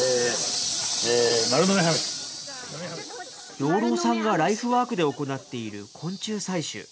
養老さんがライフワークで行っている昆虫採集。